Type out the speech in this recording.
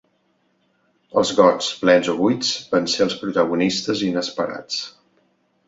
Els gots, plens o buits, van ser els protagonistes inesperats.